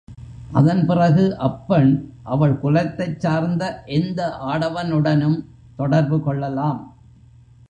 அதன் பிறகு அப்பெண் அவள் குலத்தைச் சார்ந்த எந்த ஆடவனுடனும் தொடர்பு கொள்ளலாம்.